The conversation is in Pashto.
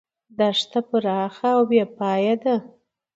دښته پراخه او بې پایه ده.